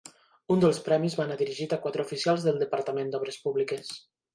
Un dels premis va anar dirigit a quatre oficials del Departament d'Obres Públiques.